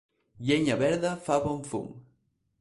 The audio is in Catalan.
Llenya verda fa bon fum.